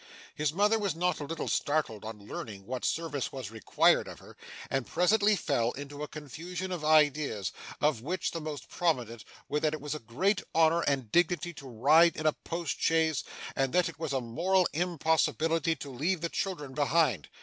His mother was not a little startled on learning what service was required of her, and presently fell into a confusion of ideas, of which the most prominent were that it was a great honour and dignity to ride in a post chaise, and that it was a moral impossibility to leave the children behind.